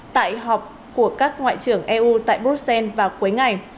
tại họp của các ngoại trưởng eu tại bruxelles vào cuối ngày